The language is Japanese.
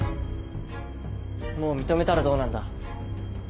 もう認めたらどうなんだ？